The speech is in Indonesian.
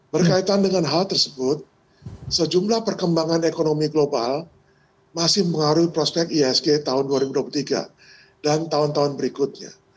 berkaitan dengan hal tersebut sejumlah perkembangan ekonomi global masih mengaruhi prospek iasg tahun dua ribu dua puluh tiga dan tahun tahun berikutnya